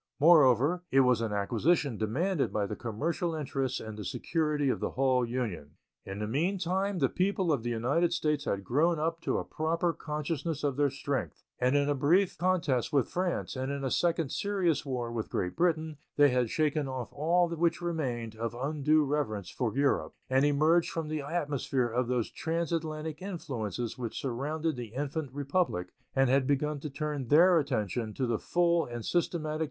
Moreover, it was an acquisition demanded by the commercial interests and the security of the whole Union. In the meantime the people of the United States had grown up to a proper consciousness of their strength, and in a brief contest with France and in a second serious war with Great Britain they had shaken off all which remained of undue reverence for Europe, and emerged from the atmosphere of those transatlantic influences which surrounded the infant Republic, and had begun to turn their attention to the full and systematic development of the internal resources of the Union.